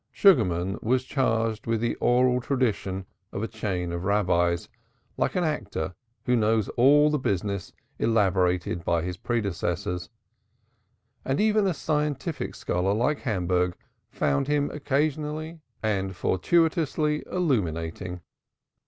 Sugarman was charged with the oral traditions of a chain of Rabbis, like an actor who knows all the "business" elaborated by his predecessors, and even a scientific scholar like Hamburg found him occasionally and fortuitously illuminating.